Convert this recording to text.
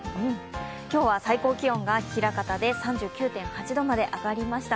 今日は最高気温が枚方で３９．８度まで上がりました。